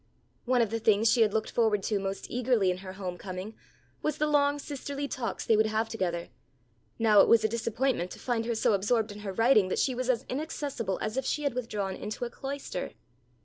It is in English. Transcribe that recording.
One of the things she had looked forward to most eagerly in her home coming was the long, sisterly talks they would have together. Now it was a disappointment to find her so absorbed in her writing that she was as inaccessible as if she had withdrawn into a cloister.